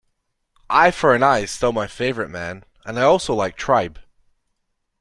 Eye For an Eye is still my favourite, man, and I also like Tribe.